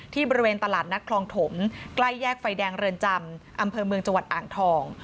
บริเวณตลาดนัดคลองถมใกล้แยกไฟแดงเรือนจำอำเภอเมืองจังหวัดอ่างทอง